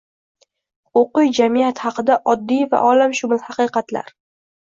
Huquqiy jamiyat haqida oddiy va olamshumul haqiqatlar